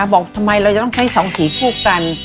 บอกทำไมเราจะต้องใช้๒สีคู่กัน